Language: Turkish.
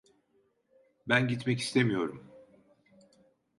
Ben gitmek istemiyorum.